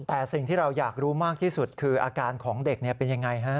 แต่สิ่งที่เราอยากรู้มากที่สุดคืออาการของเด็กเป็นยังไงฮะ